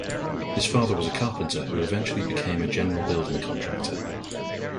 His father was a carpenter who eventually became a general building contractor.